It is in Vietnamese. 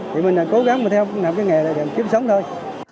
thì mình cố gắng mà theo cái nghề này kiếm sống thôi